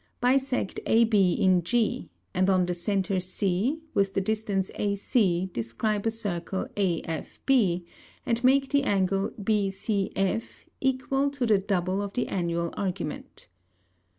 Bissect AB in G; and on the Centre C, with the Distance AC describe a Circle AFB, and make the Angle BCF = to the double of the Annual Argument.